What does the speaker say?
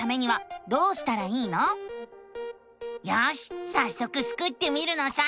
よしさっそくスクってみるのさ！